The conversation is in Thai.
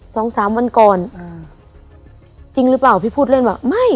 สองสามวันก่อนอืมจริงหรือเปล่าพี่พูดเล่นว่าไม่